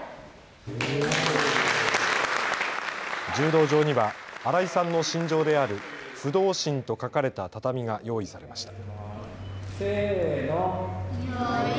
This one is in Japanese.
柔道場には新井さんの心情である不動心と書かれた畳が用意されました。